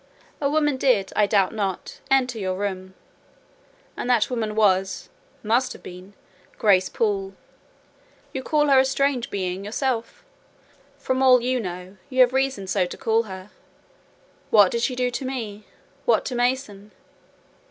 A woman did, I doubt not, enter your room: and that woman was—must have been—Grace Poole. You call her a strange being yourself: from all you know, you have reason so to call her—what did she do to me? what to Mason?